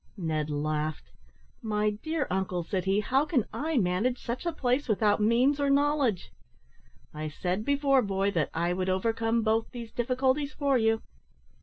Ned laughed. "My dear uncle," said he, "how can I manage such a place, without means or knowledge?" "I said before, boy, that I would overcome both these difficulties for you."